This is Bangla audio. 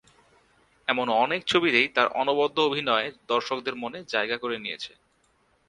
এমন অনেক ছবিতেই তাঁর অনবদ্য অভিনয় দর্শকদের মনে জায়গা করে নিয়েছে।